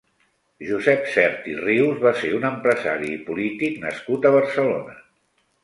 Josep Sert i Rius va ser un empresari i polític nascut a Barcelona.